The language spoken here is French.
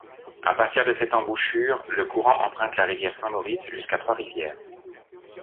À partir de cette embouchure, le courant emprunte la rivière Saint-Maurice jusqu’à Trois-Rivières.